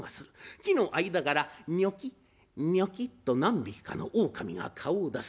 木の間からニョキッニョキッと何匹かの狼が顔を出す。